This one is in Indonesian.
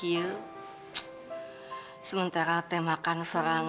iya sementara aku makan sama orang